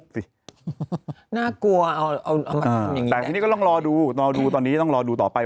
ตอนนี้แม่ปุ๊กอยู่ไหนนะ